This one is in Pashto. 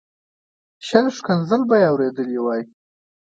شل ښکنځل به یې اورېدلي وای.